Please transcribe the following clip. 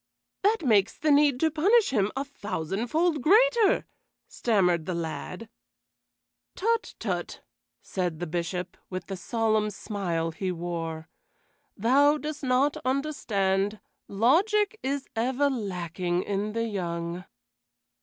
"That makes the need to punish him a thousandfold greater," stammered the lad. "Tut, tut!" said the Bishop, with the solemn smile he wore. "Thou dost not understand: logic is ever lacking in the young."